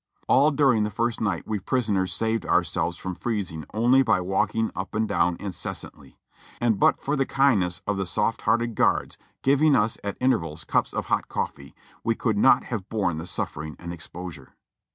All during the first night we prisoners saved ourselves from freezing only by walking up and down incessantly ; and but for the kindness of the soft hearted guards, giving us at intervals cups of hot cofTee, we could not have borne the suffering and exposure.